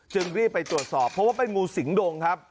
รีบไปตรวจสอบเพราะว่าเป็นงูสิงดงครับ